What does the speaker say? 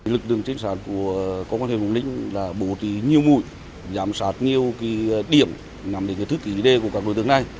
lực lượng chính sản của công an thường hùng lĩnh là bổ tí nhiều mũi giám sát nhiều điểm nằm đến thư ký đề của các đối tượng này